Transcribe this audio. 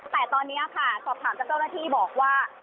แต่ตอนนี้ค่ะสอบถามจากเจ้าหน้าที่บอกว่า